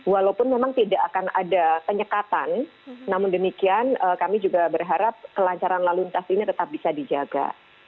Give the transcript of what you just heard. walaupun memang tidak akan ada penyekatan namun demikian kami juga berharap kelancaran lalu lintas ini tetap bisa dijaga